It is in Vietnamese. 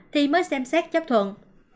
thì mới xem xét chấp thuận